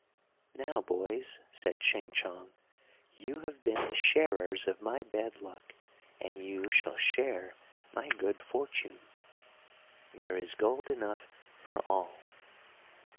"Now, boys," said Ching Chong, "you have been the sharers of my bad luck, and you shall share my good fortune." "There is gold enough for all."